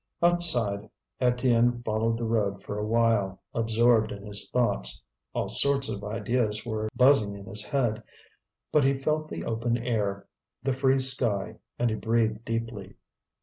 Outside, Étienne followed the road for a while, absorbed in his thoughts. All sorts of ideas were buzzing in his head. But he felt the open air, the free sky, and he breathed deeply.